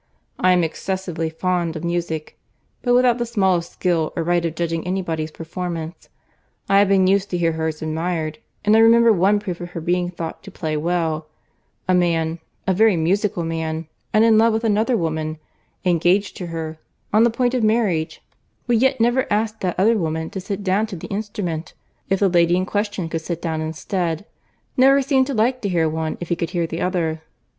—I am excessively fond of music, but without the smallest skill or right of judging of any body's performance.—I have been used to hear her's admired; and I remember one proof of her being thought to play well:—a man, a very musical man, and in love with another woman—engaged to her—on the point of marriage—would yet never ask that other woman to sit down to the instrument, if the lady in question could sit down instead—never seemed to like to hear one if he could hear the other.